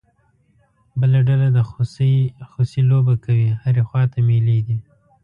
بله ډله د خوسی لوبه کوي، هرې خوا ته مېلې دي.